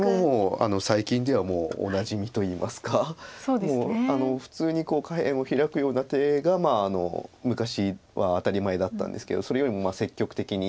もう普通に下辺をヒラくような手が昔は当たり前だったんですけどそれよりも積極的に石を働かせようという意思です。